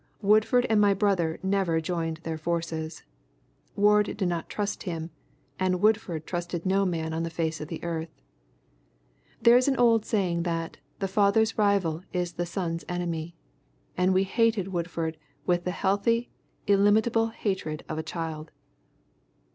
Woodford and my brother never joined their forces. Ward did not trust him, and Woodford trusted no man on the face of the earth. There is an old saying that "the father's rival is the son's enemy"; and we hated Woodford with the healthy, illimitable hatred of a child.